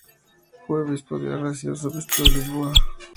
Fue obispo de Arras y arzobispo de Lisboa.